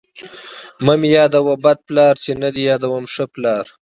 ـ مه مې يادوه بد پلار، چې نه دې يادوم ښه پلار.